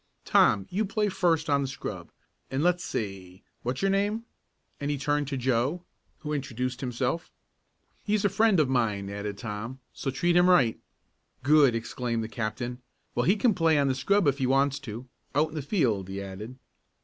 "Tom, you play first on the scrub. And let's see what's your name?" and he turned to Joe, who introduced himself. "He's a friend of mine," added Tom, "so treat him right." "Good!" exclaimed the captain. "Well, he can play on the scrub if he wants to. Out in the field," he added.